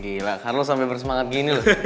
gila karlo sampe bersemangat gini loh